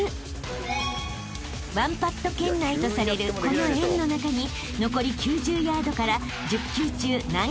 ［１パット圏内とされるこの円の中に残り９０ヤードから１０球中何球入れられるのか？］